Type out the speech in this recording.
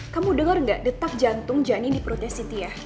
kamu denger gak detak jantung jani di perutnya sintia